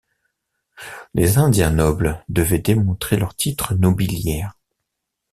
Les Indiens nobles devaient démontrer leurs titres nobiliaires.